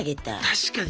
確かに。